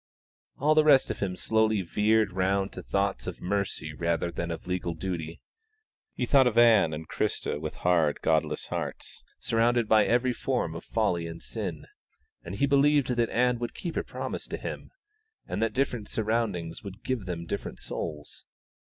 All the rest of him slowly veered round to thoughts of mercy rather than legal duty; he thought of Ann and Christa with hard, godless hearts, surrounded by every form of folly and sin, and he believed that Ann would keep her promise to him, and that different surroundings would give them different souls.